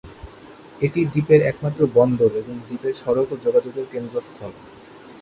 এটি দ্বীপের একমাত্র বন্দর এবং দ্বীপের সড়ক ও যোগাযোগের কেন্দ্রস্থল।